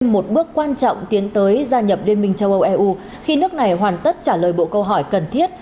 một bước quan trọng tiến tới gia nhập liên minh châu âu eu khi nước này hoàn tất trả lời bộ câu hỏi cần thiết